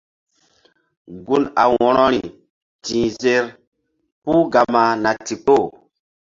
Gun a wo̧rori ti̧h zer pul gama na ndikpoh.